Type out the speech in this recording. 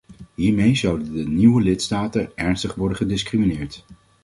Hiermee zouden de nieuwe lidstaten ernstig worden gediscrimineerd.